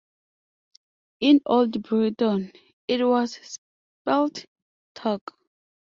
In Old Breton, it was spelled "toc".